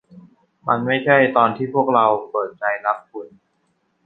มันไม่ใช่ตอนที่พวกเราเปิดใจรับคุณ